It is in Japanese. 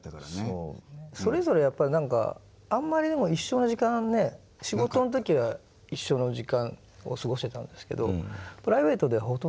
それぞれやっぱり何かあんまりでも一緒な時間ね仕事の時は一緒の時間を過ごしてたんですけどプライベートではほとんど。